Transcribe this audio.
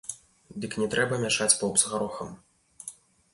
Дык не трэба мяшаць боб з гарохам.